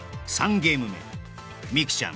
ゲーム目美空ちゃん